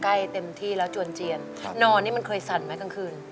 ใกล้เต็มที่แล้วจวนเจียนนอนนี่มันเคยสั่นไหมกลางคืน